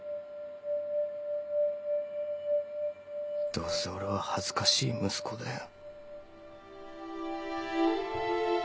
どうせ俺は恥ずかしい息子だよ。